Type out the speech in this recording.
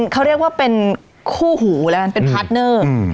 เขาเรียกว่าเป็นคู่หูแล้วกันเป็นพาร์ทเนอร์